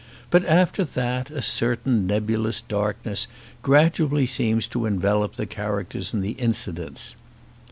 but after that a certain nebulous darkness gradually seems to envelope the characters and the incidents.